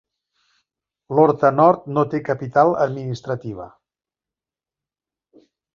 L'Horta Nord no té capital administrativa.